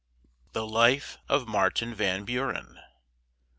THE LIFE OF MAR TIN VAN BU REN.